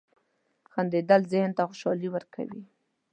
• خندېدل ذهن ته خوشحالي ورکوي.